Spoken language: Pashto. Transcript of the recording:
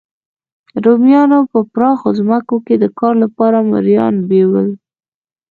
رومیانو په پراخو ځمکو کې د کار لپاره مریان بیول